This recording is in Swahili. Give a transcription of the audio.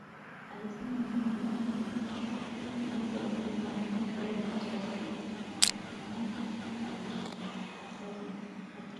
Alisema mjumbe wa Umoja wa Afrika, Mohamed Lebatt katika mkutano wa pamoja na waandishi wa habari mjini Khartoum.